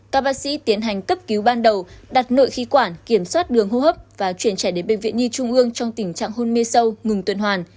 các bác sĩ tiến hành cấp cứu ban đầu đặt nội khí quản kiểm soát đường hô hấp và chuyển trẻ đến bệnh viện nhi trung ương trong tình trạng hôn mê sâu ngừng tuần hoàn